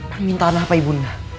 permintaan apa ibunda